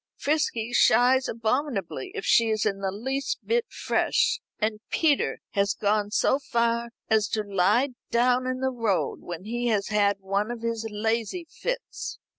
Frisky shies abominably if she is in the least bit fresh, and Peter has gone so far as to lie down in the road when he has had one of his lazy fits."